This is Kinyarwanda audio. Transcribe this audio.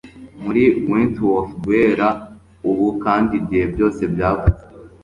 Muri Wentworth guhera ubu kandi igihe byose byavuzwe